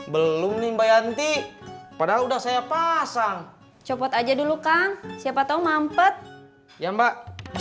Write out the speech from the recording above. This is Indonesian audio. belum nih mbak yanti padahal udah saya pasang copot aja dulu kan siapa tahu mampet ya mbak